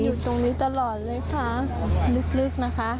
อยู่ตรงนี้ตลอดเลยค่ะลึกนะคะ